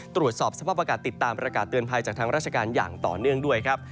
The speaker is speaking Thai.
ตรวจสอบสภาพอากาศติดตามประกาศเตือนภัยจากทางราชการอย่างต่อเนื่องด้วยครับ